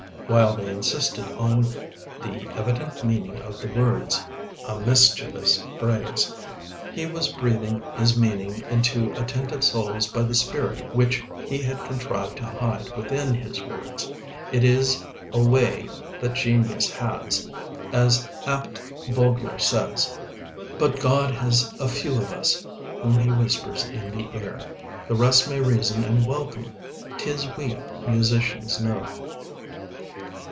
While they insisted on "the evident meaning of the words," a mischievous phrase, he was breathing his meaning into attentive souls by the spirit which he had contrived to hide within his words. It is a way that genius has, as Abt Vogler says: "But God has a few of us whom he whispers in the ear: The rest may reason and welcome: 'tis we musicians know."